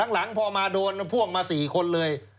หลังพอมาโดนพ่วงมา๔คนเลย